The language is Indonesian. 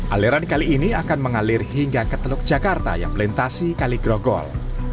aliran kali ini akan mengalir hingga ke teluk jakarta yang melintasi kaligrogol